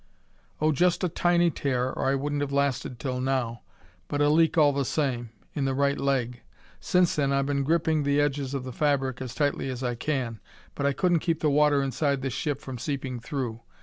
"Oh, just a tiny tear, or I wouldn't have lasted till now. But a leak all the same in the right leg. Since then I've been gripping the edges of the fabric as tightly as I can but I couldn't keep the water inside this ship from seeping through.